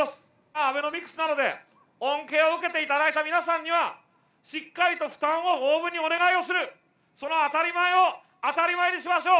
アベノミクスなどで恩恵を受けていただいた皆さんには、しっかりと負担を応分にお願いをする、その当たり前を、当たり前にしましょう。